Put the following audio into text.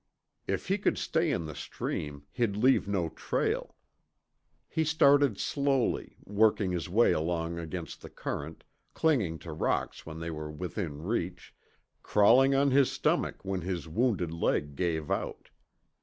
If he could stay in the stream, he'd leave no trail. He started slowly, working his way along against the current, clinging to rocks when they were within reach, crawling on his stomach when his wounded leg gave out.